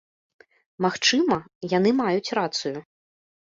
Магчыма, яны маюць рацыю.